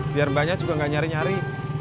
biar mbaknya juga nggak nyari nyari